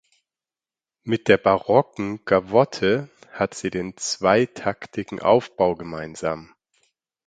Mit der barocken Gavotte hat sie den zweitaktigen Aufbau gemeinsam.